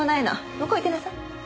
向こう行ってなさい。